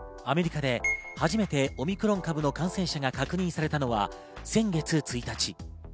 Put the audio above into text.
アメリカで初めてオミクロン株の感染者が確認されたのは先月１日。